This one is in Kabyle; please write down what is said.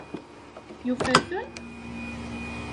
Yufa-ten?